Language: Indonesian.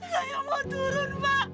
saya mau turun pak